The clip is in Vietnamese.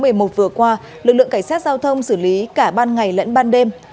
trong ngày một vừa qua lực lượng cảnh sát giao thông xử lý cả ban ngày lẫn ban đêm